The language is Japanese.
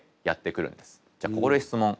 じゃあここで質問。